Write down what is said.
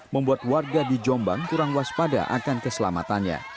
membuat warga di jombang kurang waspada akan keselamatannya